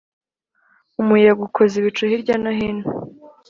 Umuyaga ukoza ibicu hirya no hino